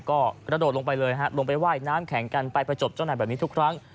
ก็กระโดดลงไปเลยฮะลงไปว่ายน้ำแข็งกันไปประจบเจ้านายแบบนี้ทุกครั้ง